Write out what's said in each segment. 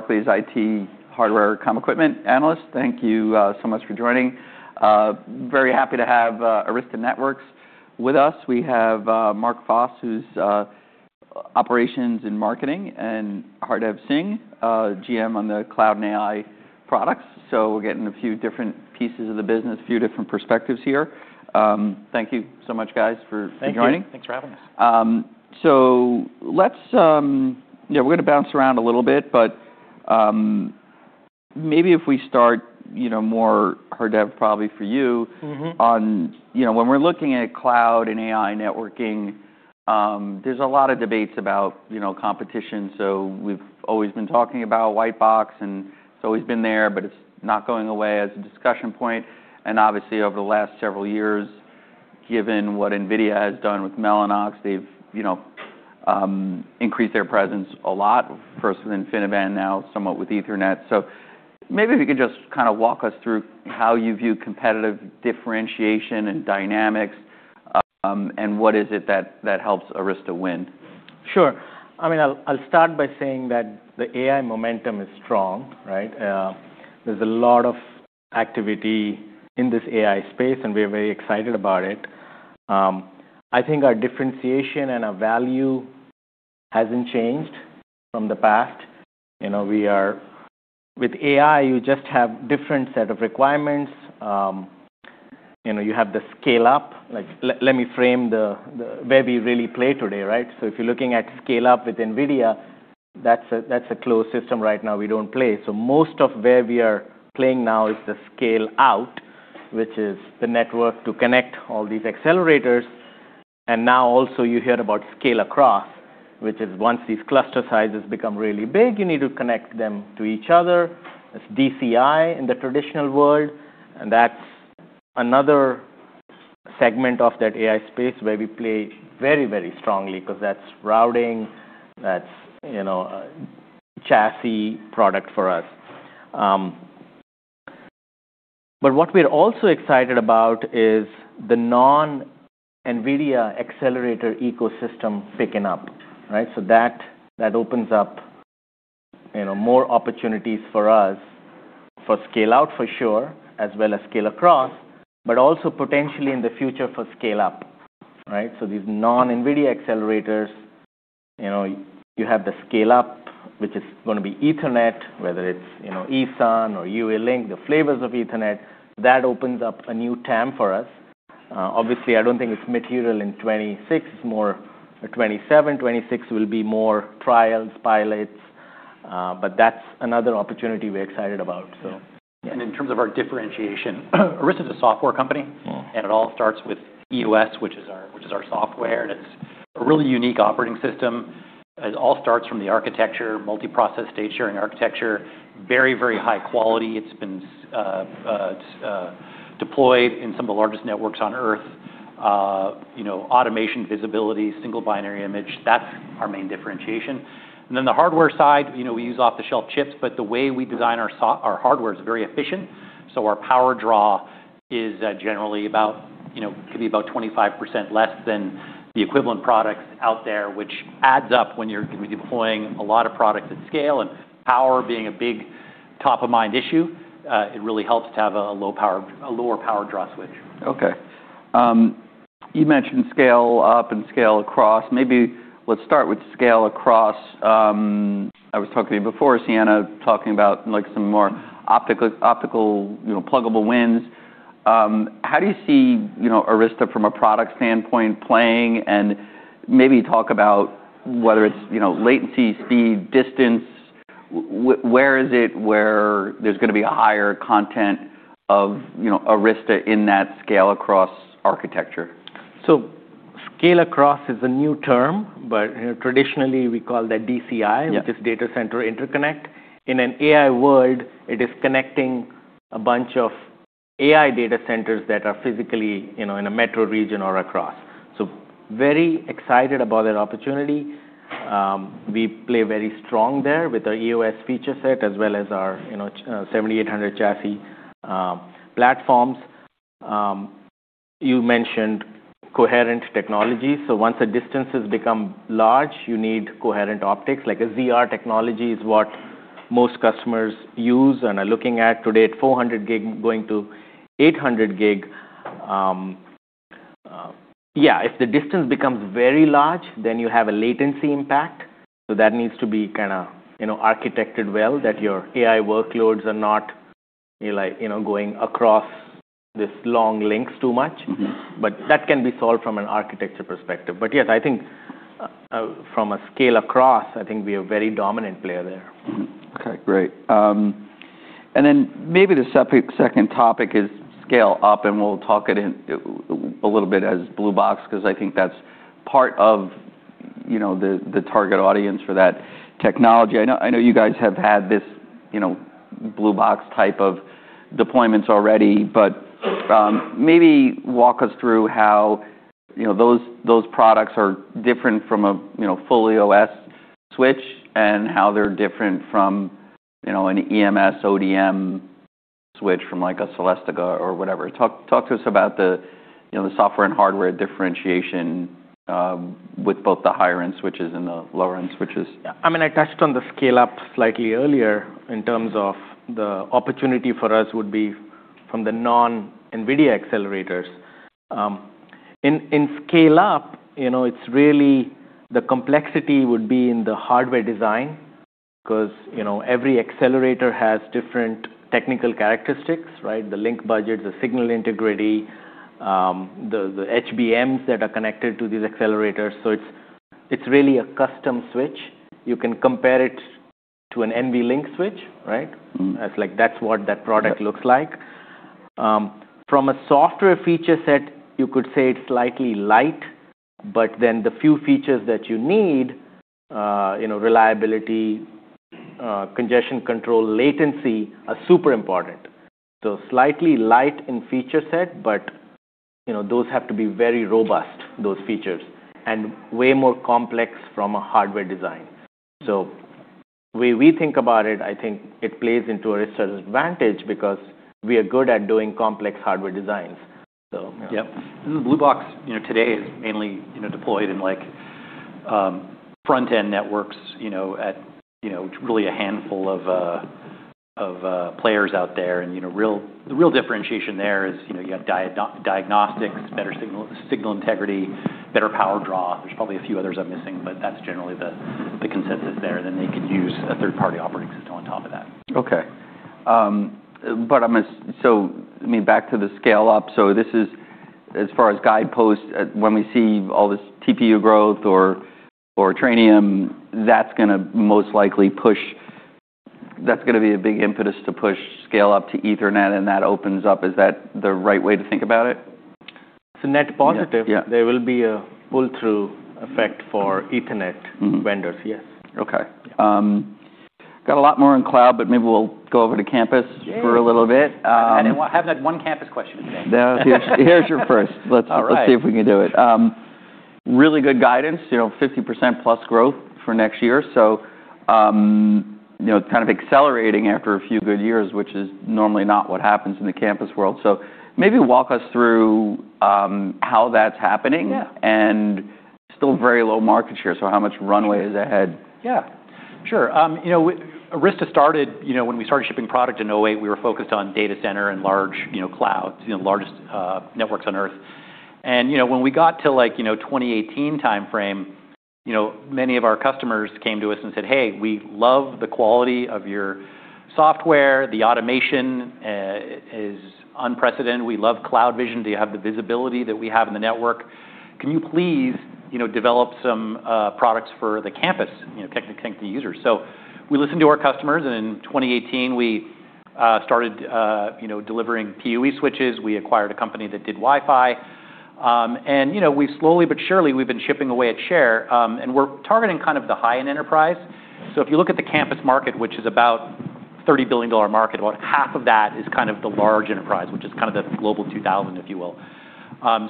Barclays IT hardware and comm equipment analyst. Thank you so much for joining. Very happy to have Arista Networks with us. We have Mark Foss, who's operations and marketing, and Hardev Singh, GM on the cloud and AI products. So we're getting a few different pieces of the business, a few different perspectives here. Thank you so much, guys, for joining. Thanks for having us. Let's, yeah, we're going to bounce around a little bit, but maybe if we start, you know, with Hardev, probably for you on, you know, when we're looking at cloud and AI networking, there's a lot of debates about competition, so we've always been talking about white box, and it's always been there, but it's not going away as a discussion point, and obviously, over the last several years, given what NVIDIA has done with Mellanox, they've increased their presence a lot, first with InfiniBand, now somewhat with Ethernet, so maybe if you could just kind of walk us through how you view competitive differentiation and dynamics, and what is it that helps Arista win? Sure. I mean, I'll start by saying that the AI momentum is strong, right? There's a lot of activity in this AI space, and we're very excited about it. I think our differentiation and our value hasn't changed from the past. You know, with AI, you just have a different set of requirements. You have the scale-up. Let me frame where we really play today, right? So if you're looking at scale-up with NVIDIA, that's a closed system right now. We don't play. So most of where we are playing now is the scale-out, which is the network to connect all these accelerators. And now also you hear about scale-across, which is once these cluster sizes become really big, you need to connect them to each other. It's DCI in the traditional world. That's another segment of that AI space where we play very, very strongly because that's routing, that's chassis product for us. But what we're also excited about is the non-NVIDIA accelerator ecosystem picking up, right? That opens up more opportunities for us for scale-out, for sure, as well as scale-across, but also potentially in the future for scale-up, right? These non-NVIDIA accelerators, you have the scale-up, which is going to be Ethernet, whether it's ESUN or UALink, the flavors of Ethernet. That opens up a new TAM for us. Obviously, I don't think it's material in 2026. It's more 2027. 2026 will be more trials, pilots. That's another opportunity we're excited about, so. And in terms of our differentiation, Arista is a software company, and it all starts with EOS, which is our software. And it's a really unique operating system. It all starts from the architecture, multi-process state-sharing architecture, very, very high quality. It's been deployed in some of the largest networks on Earth. Automation, visibility, single-binary image, that's our main differentiation. And then the hardware side, we use off-the-shelf chips, but the way we design our hardware is very efficient. So our power draw is generally about, could be about 25% less than the equivalent products out there, which adds up when you're going to be deploying a lot of products at scale. And power being a big top-of-mind issue, it really helps to have a lower power draw switch. Okay. You mentioned scale-up and scale-across. Maybe let's start with scale-across. I was talking to you before, Ciena, talking about some more optical, pluggable wins. How do you see Arista from a product standpoint playing? And maybe talk about whether it's latency, speed, distance. Where is it where there's going to be a higher content of Arista in that scale-across architecture? So, Scale-across is a new term, but traditionally we call that DCI, which is Data Center Interconnect. In an AI world, it is connecting a bunch of AI data centers that are physically in a metro region or across. So very excited about that opportunity. We play very strong there with our EOS feature set as well as our 7800 chassis platforms. You mentioned coherent technology. So once the distances become large, you need coherent optics. Like a ZR technology is what most customers use and are looking at today at 400 Gb going to 800 Gb. Yeah, if the distance becomes very large, then you have a latency impact. So that needs to be kind of architected well that your AI workloads are not going across these long links too much. But that can be solved from an architecture perspective. But yes, I think from a scale-across, I think we are a very dominant player there. Okay, great. And then maybe the second topic is scale-up, and we'll talk it in a little bit as Blue Box because I think that's part of the target audience for that technology. I know you guys have had this Blue Box type of deployments already, but maybe walk us through how those products are different from a fully EOS switch and how they're different from an EMS ODM switch from like a Celestica or whatever. Talk to us about the software and hardware differentiation with both the higher-end switches and the lower-end switches. I mean, I touched on the scale-up slightly earlier in terms of the opportunity for us would be from the non-NVIDIA accelerators. In scale-up, it's really the complexity would be in the hardware design because every accelerator has different technical characteristics, right? The link budgets, the signal integrity, the HBMs that are connected to these accelerators. So it's really a custom switch. You can compare it to an NVLink switch, right? That's what that product looks like. From a software feature set, you could say it's slightly light, but then the few features that you need, reliability, congestion control, latency are super important. So slightly light in feature set, but those have to be very robust, those features, and way more complex from a hardware design. So the way we think about it, I think it plays into Arista's advantage because we are good at doing complex hardware designs. Yeah. This is Blue Box today is mainly deployed in front-end networks at really a handful of players out there. And the real differentiation there is you have diagnostics, better signal integrity, better power draw. There's probably a few others I'm missing, but that's generally the consensus there. Then they can use a third-party operating system on top of that. Okay. So I mean, back to the scale-up. So this is as far as guideposts, when we see all this TPU growth or Trainium, that's going to most likely push, that's going to be a big impetus to push scale-up to Ethernet, and that opens up. Is that the right way to think about it? It's a net positive. There will be a pull-through effect for Ethernet vendors, yes. Okay. Got a lot more in cloud, but maybe we'll go over to campus for a little bit. I didn't want to have that one campus question today. Here's your first. Let's see if we can do it. Really good guidance, 50% plus growth for next year. So kind of accelerating after a few good years, which is normally not what happens in the campus world. So maybe walk us through how that's happening and still very low market share. So how much runway is ahead? Yeah. Sure. Arista started when we started shipping product in 2008. We were focused on data center and large clouds, the largest networks on Earth. When we got to 2018 timeframe, many of our customers came to us and said, "Hey, we love the quality of your software. The automation is unprecedented. We love CloudVision. Do you have the visibility that we have in the network? Can you please develop some products for the campus end users?" So we listened to our customers, and in 2018, we started delivering PUE switches. We acquired a company that did Wi-Fi. And slowly but surely, we've been chipping away a share, and we're targeting kind of the high-end enterprise. So if you look at the campus market, which is about a $30 billion market, about half of that is kind of the large enterprise, which is kind of the global 2000, if you will.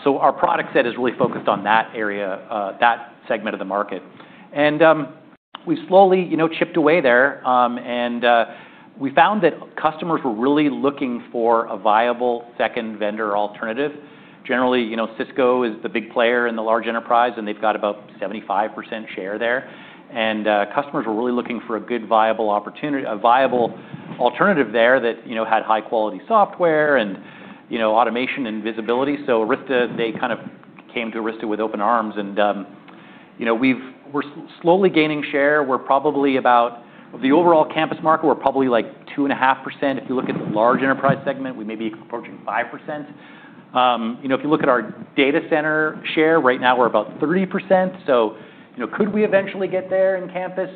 So our product set is really focused on that area, that segment of the market. And we've slowly chipped away there, and we found that customers were really looking for a viable second vendor alternative. Generally, Cisco is the big player in the large enterprise, and they've got about 75% share there. And customers were really looking for a good, viable alternative there that had high-quality software and automation and visibility. So Arista, they kind of came to Arista with open arms, and we're slowly gaining share. We're probably about, of the overall campus market, we're probably like 2.5%. If you look at the large enterprise segment, we may be approaching 5%. If you look at our data center share, right now we're about 30%. So could we eventually get there in campus?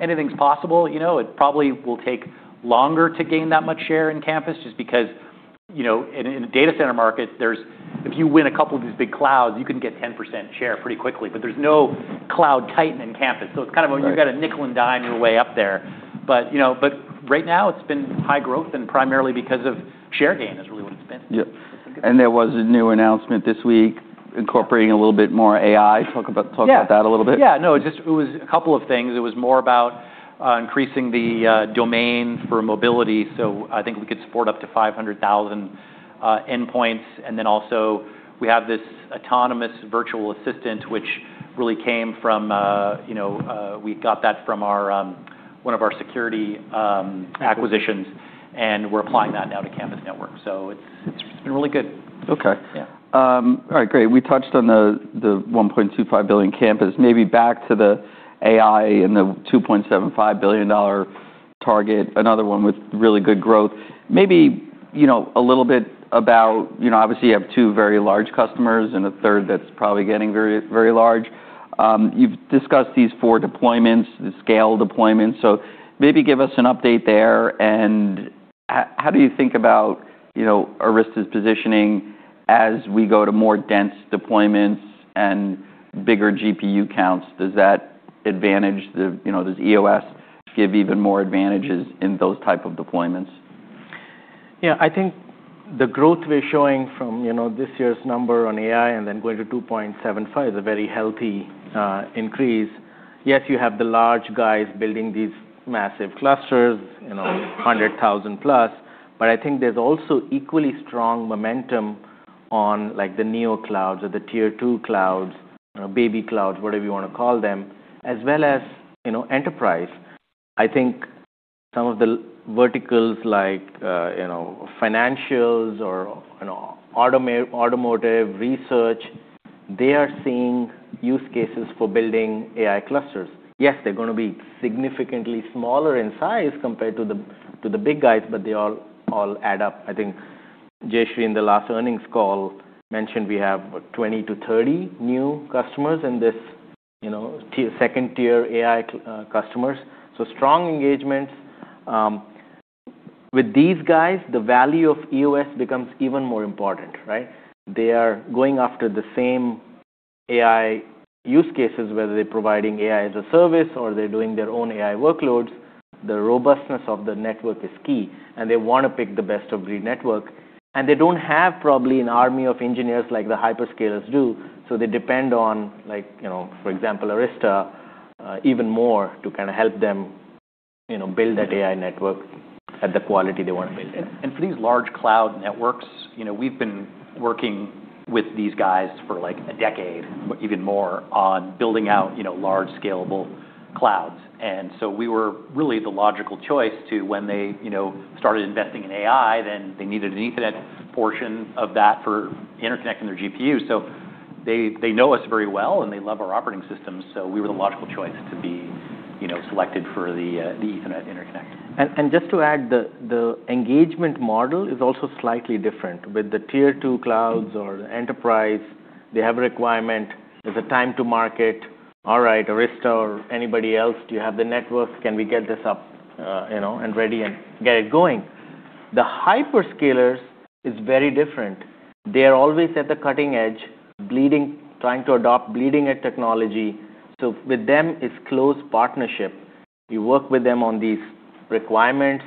Anything's possible. It probably will take longer to gain that much share in campus just because in the data center market, if you win a couple of these big clouds, you can get 10% share pretty quickly, but there's no cloud titan in campus. So it's kind of when you've got a nickel and dime your way up there. But right now, it's been high growth and primarily because of share gain is really what it's been. Yeah. And there was a new announcement this week incorporating a little bit more AI. Talk about that a little bit. Yeah. No, it was a couple of things. It was more about increasing the domain for mobility. So I think we could support up to 500,000 endpoints. And then also we have this autonomous virtual assistant, which really came from we got that from one of our security acquisitions, and we're applying that now to campus networks. So it's been really good. Okay. All right, great. We touched on the $1.25 billion campus. Maybe back to the AI and the $2.75 billion target, another one with really good growth. Maybe a little bit about, obviously, you have two very large customers and a third that's probably getting very large. You've discussed these four deployments, the scale deployments. So maybe give us an update there. And how do you think about Arista's positioning as we go to more dense deployments and bigger GPU counts? Does that advantage the EOS give even more advantages in those types of deployments? Yeah, I think the growth we're showing from this year's number on AI and then going to $2.75 billion is a very healthy increase. Yes, you have the large guys building these massive clusters, 100,000 plus, but I think there's also equally strong momentum on the neoclouds or the tier two clouds, baby clouds, whatever you want to call them, as well as enterprise. I think some of the verticals like financials or automotive research, they are seeing use cases for building AI clusters. Yes, they're going to be significantly smaller in size compared to the big guys, but they all add up. I think Jayshree in the last earnings call mentioned we have 20-30 new customers in this second tier AI customers. So strong engagements. With these guys, the value of EOS becomes even more important, right? They are going after the same AI use cases, whether they're providing AI as a service or they're doing their own AI workloads. The robustness of the network is key, and they want to pick the best of breed network, and they don't have probably an army of engineers like the hyperscalers do, so they depend on, for example, Arista even more to kind of help them build that AI network at the quality they want to build. For these large cloud networks, we've been working with these guys for like a decade, even more on building out large scalable clouds. We were really the logical choice when they started investing in AI. Then they needed an Ethernet portion of that for interconnecting their GPU. They know us very well and they love our operating systems. We were the logical choice to be selected for the Ethernet interconnect. And just to add, the engagement model is also slightly different. With the tier two clouds or enterprise, they have a requirement. There's a time to market. All right, Arista or anybody else, do you have the network? Can we get this up and ready and get it going? The hyperscalers is very different. They are always at the cutting edge, trying to adopt bleeding edge technology. So with them, it's close partnership. You work with them on these requirements.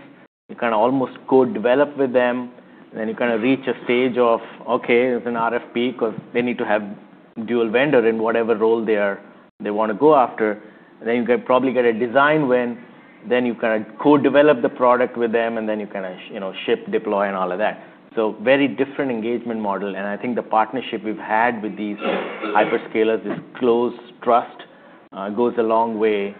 You kind of almost co-develop with them, and then you kind of reach a stage of, okay, it's an RFP because they need to have dual vendor in whatever role they want to go after. Then you probably get a design win, then you kind of co-develop the product with them, and then you kind of ship, deploy, and all of that. So very different engagement model. And I think the partnership we've had with these hyperscalers is close trust. It goes a long way.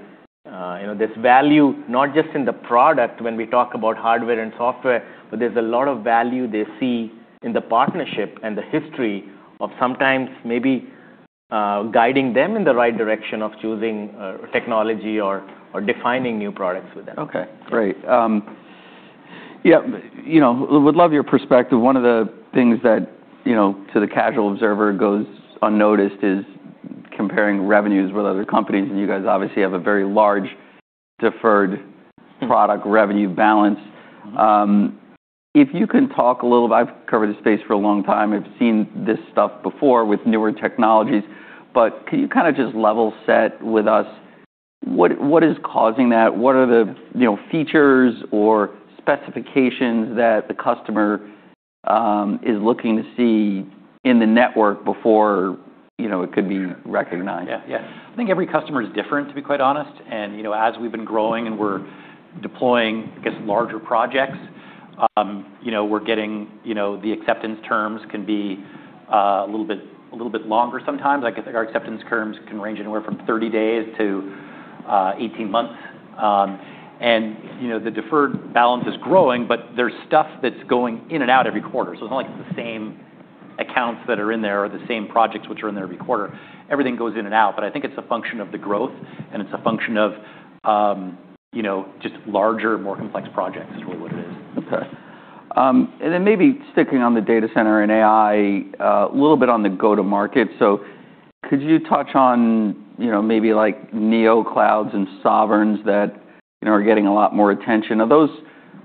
There's value not just in the product when we talk about hardware and software, but there's a lot of value they see in the partnership and the history of sometimes maybe guiding them in the right direction of choosing technology or defining new products with them. Okay, great. Yeah, would love your perspective. One of the things that to the casual observer goes unnoticed is comparing revenues with other companies, and you guys obviously have a very large deferred product revenue balance. If you can talk a little bit, I've covered this space for a long time. I've seen this stuff before with newer technologies, but can you kind of just level set with us? What is causing that? What are the features or specifications that the customer is looking to see in the network before it could be recognized? Yeah, yeah. I think every customer is different, to be quite honest, and as we've been growing and we're deploying, I guess, larger projects, we're getting the acceptance terms can be a little bit longer sometimes. I guess our acceptance terms can range anywhere from 30 days to 18 months, and the deferred balance is growing, but there's stuff that's going in and out every quarter, so it's not like it's the same accounts that are in there or the same projects which are in there every quarter. Everything goes in and out, but I think it's a function of the growth, and it's a function of just larger, more complex projects is really what it is. Okay. And then maybe sticking on the data center and AI, a little bit on the go-to-market. So could you touch on maybe like neoclouds and sovereigns that are getting a lot more attention? Are those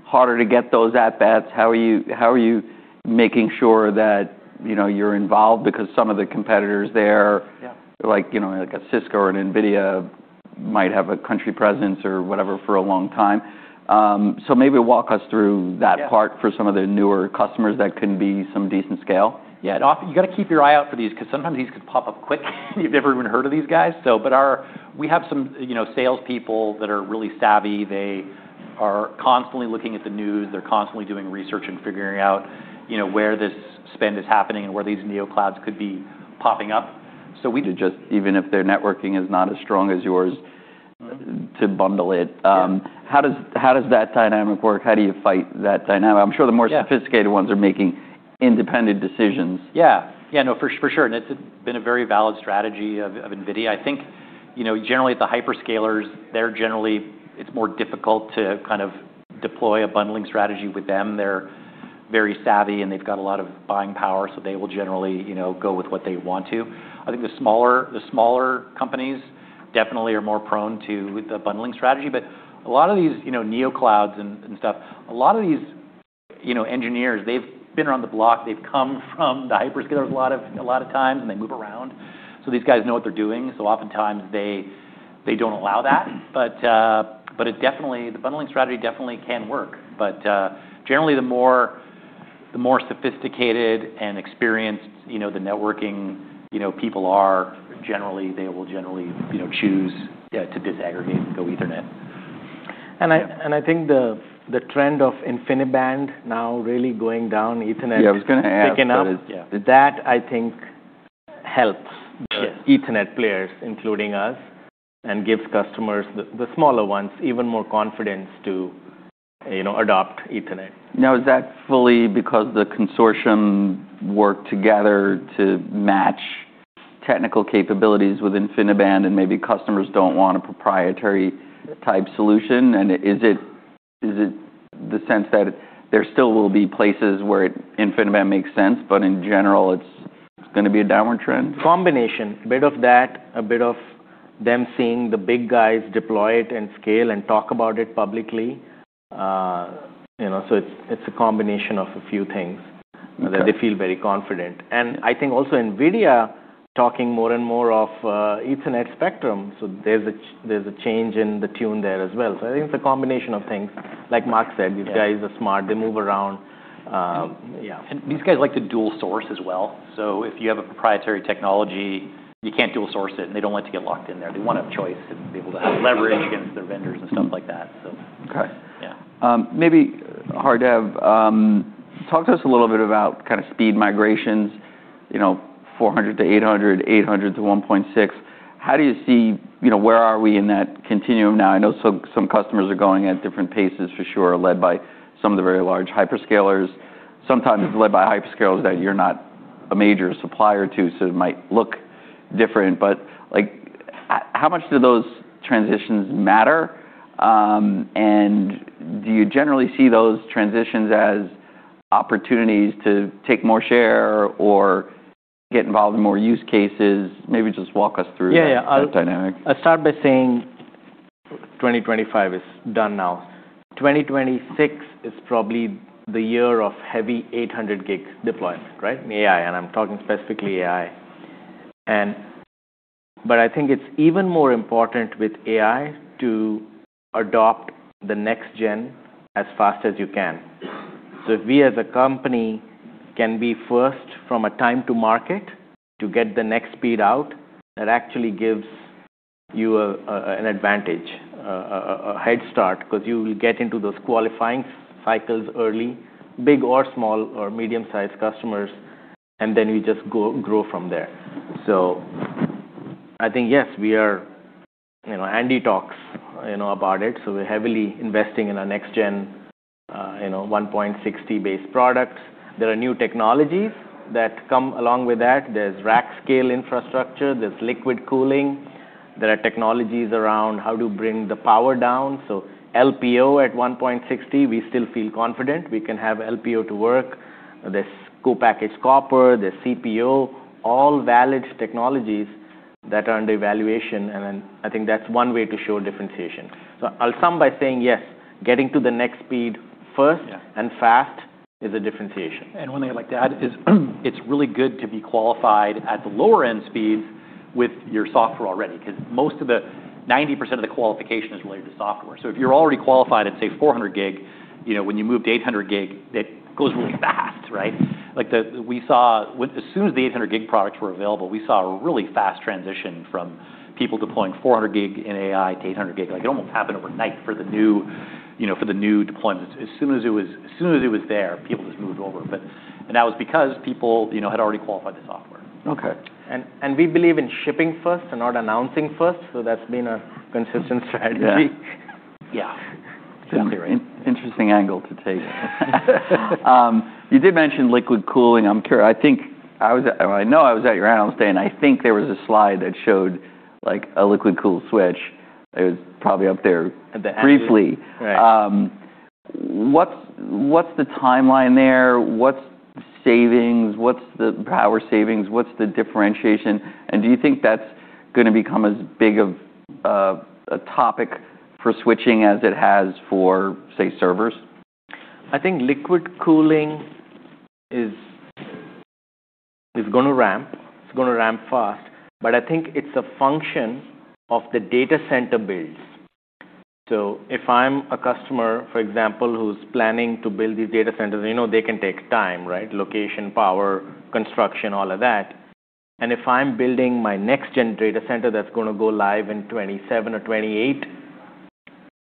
harder to get at-bats? How are you making sure that you're involved? Because some of the competitors there, like a Cisco or an NVIDIA, might have a country presence or whatever for a long time. So maybe walk us through that part for some of the newer customers that can be some decent scale. Yeah, you got to keep your eye out for these because sometimes these could pop up quick. You've never even heard of these guys. But we have some salespeople that are really savvy. They are constantly looking at the news. They're constantly doing research and figuring out where this spend is happening and where these neoclouds could be popping up. So. To just, even if their networking is not as strong as yours, to bundle it. How does that dynamic work? How do you fight that dynamic? I'm sure the more sophisticated ones are making independent decisions. Yeah. Yeah, no, for sure, and it's been a very valid strategy of NVIDIA. I think generally at the hyperscalers, it's more difficult to kind of deploy a bundling strategy with them. They're very savvy, and they've got a lot of buying power, so they will generally go with what they want to. I think the smaller companies definitely are more prone to the bundling strategy. But a lot of these neoclouds and stuff, a lot of these engineers, they've been around the block. They've come from the hyperscalers a lot of times, and they move around. So these guys know what they're doing. So oftentimes they don't allow that. But the bundling strategy definitely can work. But generally, the more sophisticated and experienced the networking people are, generally, they will generally choose to disaggregate and go Ethernet. I think the trend of InfiniBand now really going down, Ethernet picking up, that I think helps the Ethernet players, including us, and gives customers, the smaller ones, even more confidence to adopt Ethernet. Now, is that fully because the consortium worked together to match technical capabilities with InfiniBand, and maybe customers don't want a proprietary type solution? And is it the sense that there still will be places where InfiniBand makes sense, but in general, it's going to be a downward trend? Combination. A bit of that, a bit of them seeing the big guys deploy it and scale and talk about it publicly. So it's a combination of a few things that they feel very confident. And I think also NVIDIA talking more and more of Ethernet Spectrum. So there's a change in the tune there as well. So I think it's a combination of things. Like Mark said, these guys are smart. They move around. Yeah. And these guys like to dual source as well. So if you have a proprietary technology, you can't dual source it, and they don't like to get locked in there. They want to have choice and be able to leverage against their vendors and stuff like that. Okay. Maybe Hardev, talk to us a little bit about kind of speed migrations, 400 to 800, 800 to 1.6. How do you see where are we in that continuum now? I know some customers are going at different paces for sure, led by some of the very large hyperscalers. Sometimes it's led by hyperscalers that you're not a major supplier to, so it might look different. But how much do those transitions matter? And do you generally see those transitions as opportunities to take more share or get involved in more use cases? Maybe just walk us through that dynamic. I'll start by saying 2025 is done now. 2026 is probably the year of heavy 800 Gb deployment, right? AI, and I'm talking specifically AI, but I think it's even more important with AI to adopt the next gen as fast as you can, so if we as a company can be first from a time to market to get the next speed out, that actually gives you an advantage, a head start, because you will get into those qualifying cycles early, big or small or medium-sized customers, and then you just grow from there, so I think, yes, we are. Andy talks about it, so we're heavily investing in our next gen 1.60-based products. There are new technologies that come along with that. There's rack scale infrastructure. There's liquid cooling. There are technologies around how to bring the power down. So, LPO at 1.60, we still feel confident we can have LPO to work. There's Co-Packaged Copper. There's CPO. All valid technologies that are under evaluation. And I think that's one way to show differentiation. So I'll sum by saying, yes, getting to the next speed first and fast is a differentiation. One thing I'd like to add is it's really good to be qualified at the lower-end speeds with your software already, because most of the 90% of the qualification is related to software. So if you're already qualified at, say, 400 Gb, when you moved to 800 Gb, that goes really fast, right? As soon as the 800 Gb products were available, we saw a really fast transition from people deploying 400 Gb in AI to 800 Gb. It almost happened overnight for the new deployments. As soon as it was there, people just moved over. That was because people had already qualified the software. We believe in shipping first and not announcing first. That's been a consistent strategy. Yeah. Interesting angle to take. You did mention liquid cooling. I think, you know, I was at your annual stay, and I think there was a slide that showed a liquid-cooled switch. It was probably up there briefly. What's the timeline there? What's the savings? What's the power savings? What's the differentiation? And do you think that's going to become as big of a topic for switching as it has for, say, servers? I think liquid cooling is going to ramp. It's going to ramp fast. But I think it's a function of the data center builds. So if I'm a customer, for example, who's planning to build these data centers, they can take time, right? Location, power, construction, all of that. And if I'm building my next-gen data center that's going to go live in 2027 or 2028,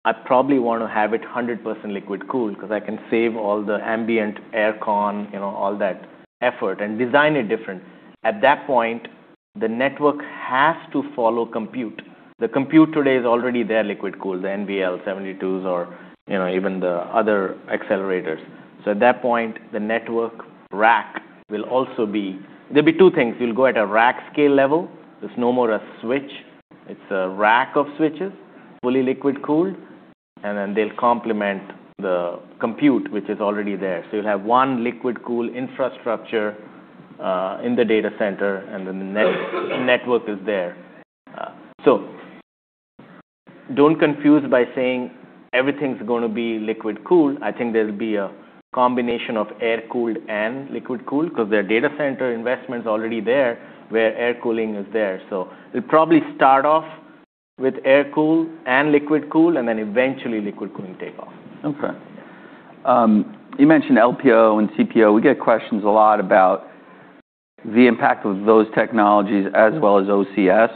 I probably want to have it 100% liquid cool because I can save all the ambient aircon, all that effort, and design it different. At that point, the network has to follow compute. The compute today is already there liquid cooled, the NVL72s or even the other accelerators. So at that point, the network rack will also be there'll be two things. You'll go at a rack-scale level. There's no more a switch. It's a rack of switches, fully liquid-cooled, and then they'll complement the compute, which is already there. So you'll have one liquid-cooled infrastructure in the data center, and then the network is there. So don't confuse by saying everything's going to be liquid-cooled. I think there'll be a combination of air-cooled and liquid-cooled because their data center investment's already there where air cooling is there. So it'll probably start off with air-cooled and liquid-cooled, and then eventually liquid cooling take off. Okay. You mentioned LPO and CPO. We get questions a lot about the impact of those technologies as well as OCS.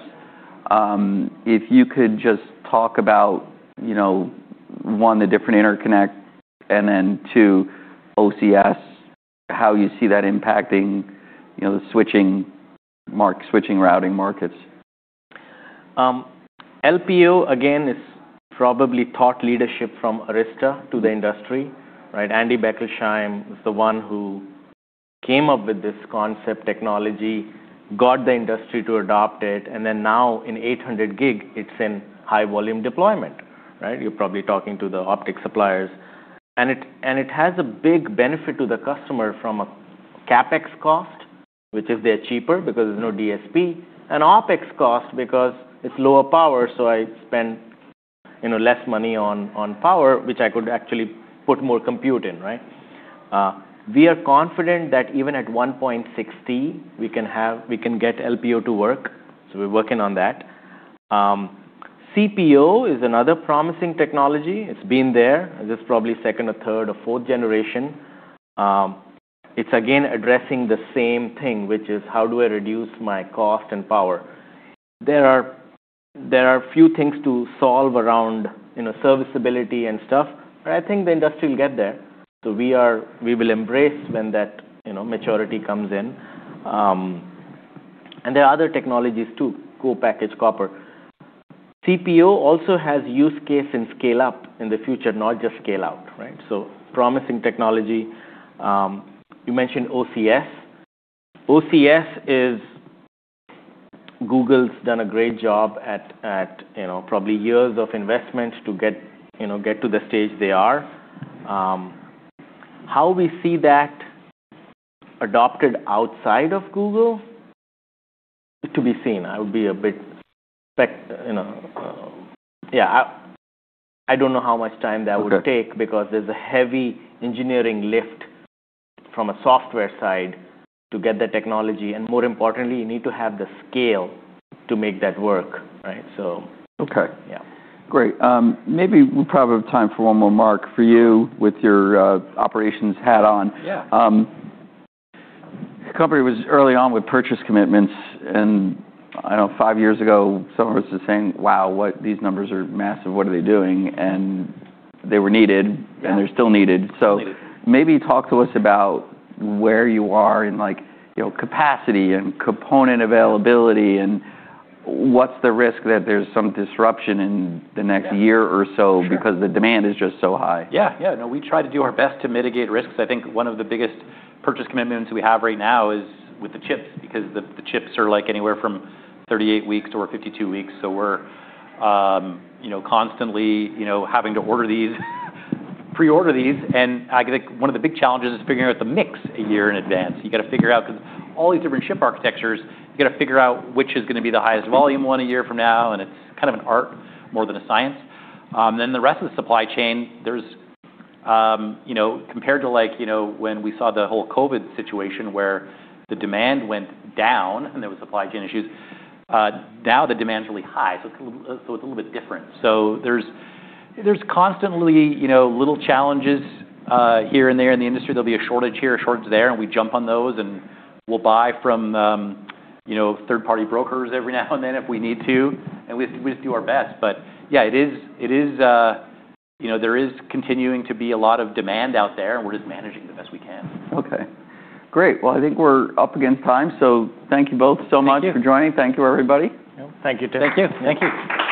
If you could just talk about, one, the different interconnect, and then two, OCS, how you see that impacting the market switching routing markets? LPO, again, is probably thought leadership from Arista to the industry, right? Andy Bechtolsheim is the one who came up with this concept technology, got the industry to adopt it, and then now in 800 Gb, it's in high-volume deployment, right? You're probably talking to the optic suppliers. And it has a big benefit to the customer from a CapEx cost, which is they're cheaper because there's no DSP, and OpEx cost because it's lower power, so I spend less money on power, which I could actually put more compute in, right? We are confident that even at 1.60, we can get LPO to work. So we're working on that. CPO is another promising technology. It's been there. This is probably second or third or fourth generation. It's again addressing the same thing, which is how do I reduce my cost and power? There are a few things to solve around serviceability and stuff, but I think the industry will get there, so we will embrace when that maturity comes in, and there are other technologies too, Co-Packaged Copper. CPO also has use case and scale-up in the future, not just scale-out, right, so promising technology. You mentioned OCS. OCS is Google's done a great job at probably years of investment to get to the stage they are. How we see that adopted outside of Google to be seen. I would be a bit yeah, I don't know how much time that would take because there's a heavy engineering lift from a software side to get the technology, and more importantly, you need to have the scale to make that work, right, so. Okay. Great. Maybe we probably have time for one more, Mark, for you with your operations hat on. The company was early on with purchase commitments, and I don't know, five years ago, someone was just saying, "Wow, these numbers are massive. What are they doing?" And they were needed, and they're still needed. So maybe talk to us about where you are in capacity and component availability, and what's the risk that there's some disruption in the next year or so because the demand is just so high. Yeah. Yeah. No, we try to do our best to mitigate risks. I think one of the biggest purchase commitments we have right now is with the chips because the chips are anywhere from 38 weeks-52 weeks. So we're constantly having to pre-order these. And I think one of the big challenges is figuring out the mix a year in advance. You got to figure out because all these different chip architectures, you got to figure out which is going to be the highest volume one a year from now, and it's kind of an art more than a science. Then the rest of the supply chain, compared to when we saw the whole COVID situation where the demand went down and there were supply chain issues, now the demand's really high. So it's a little bit different. So there's constantly little challenges here and there in the industry. There'll be a shortage here, a shortage there, and we jump on those, and we'll buy from third-party brokers every now and then if we need to. And we just do our best. But yeah, there is continuing to be a lot of demand out there, and we're just managing the best we can. Okay. Great. Well, I think we're up against time. So thank you both so much for joining. Thank you, everybody. Thank you, too. Thank you. Thank you. All right.